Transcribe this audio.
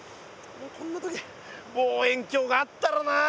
こんな時に望遠鏡があったらなあ。